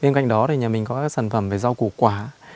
bên cạnh đó thì nhà mình có các sản phẩm về rau củ quả